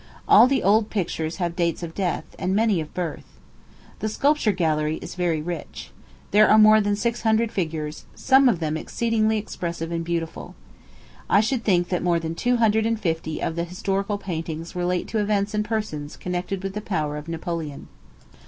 All the old pictures have dates of death, and many of birth. The sculpture gallery is very rich. There are more than six hundred figures, some of them exceedingly expressive and beautiful. I should think that more than two hundred and fifty of the historical paintings relate to events and persons connected with the power of Napoleon.